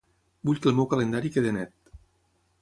Vull que el meu calendari quedi net.